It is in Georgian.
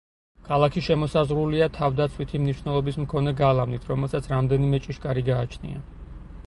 ქალაქი შემოსაზღვრულია თავდაცვითი მნიშვნელობის მქონე გალავნით, რომელსაც რამდენიმე ჭიშკარი გააჩნია.